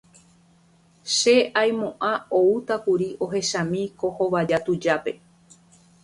che aimo'ã oútakuri ohechami ko hovaja tujápe.